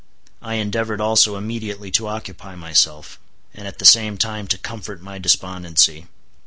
I endeavored also immediately to occupy myself, and at the same time to comfort my despondency.